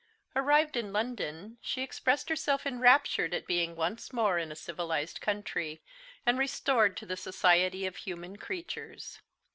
Arrived in London, she expressed herself enraptured at being once more in a civilised country, and restored to the society of human creatures.